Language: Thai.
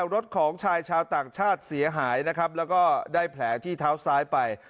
รถของชายชาวต่างชาติเสียหายนะครับแล้วก็ได้แผลที่เท้าซ้ายไป